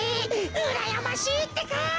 うらやましいってか！